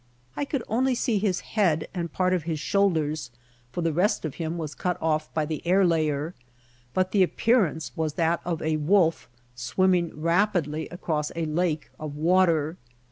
I could only see his head and part of his shoulders, for the rest of him was cut off by the air layer ; but the appearance was that of a wolf swimming rapidly across a lake of water.